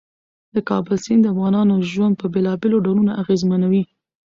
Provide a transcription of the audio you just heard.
د کابل سیند د افغانانو ژوند په بېلابېلو ډولونو اغېزمنوي.